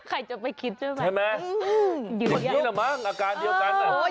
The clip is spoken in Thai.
ใครจะไปคิดใช่ไหมอือหืออย่างนี้น่ะมั้งอาการเดียวกัน